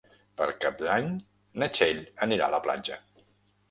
Per Cap d'Any na Txell anirà a la platja.